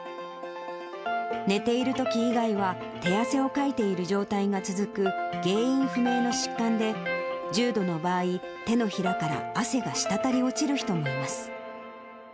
寝ているとき以外は、手汗をかいている状態が続く原因不明の疾患で、重度の場合、手のひらから汗が滴り落ちる人もいます。